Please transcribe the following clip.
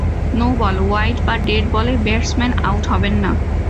No ball, wide বা dead বলে batsman out হবেন না।